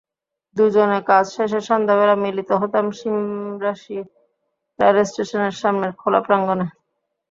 দুজনে কাজ শেষে সন্ধেবেলা মিলিত হতাম শিমবাশি রেলস্টেশনের সামনের খোলা প্রাঙ্গণে।